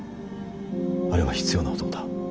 あれは必要な男だ。